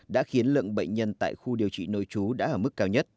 đã khiến lượng bệnh nhân tại khu điều trị nôi chú đã ở mức cao nhất